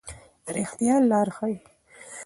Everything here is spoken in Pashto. رښتیا لار ښيي.